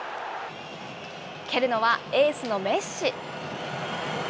蹴るのはエースのメッシ。